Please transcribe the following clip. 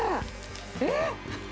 えっ？